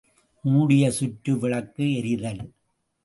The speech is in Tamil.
மூடிய சுற்று விளக்கு எரிதல்.